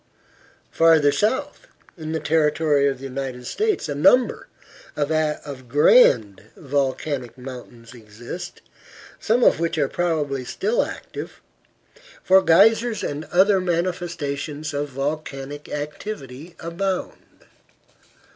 Farther south, in the territory of the United States, a number of grand volcanic mountains exist, some of which are probably still active, for geysers and other manifestations of volcanic activity abound.